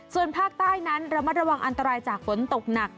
ส่วนภาคใต้นั้นระมัดระวังอันตรายจากฝนตกหนัก